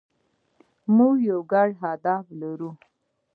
موږ یو ګډ هدف لرو.